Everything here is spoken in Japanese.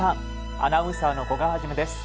アナウンサーの古賀一です。